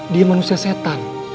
dia manusia setan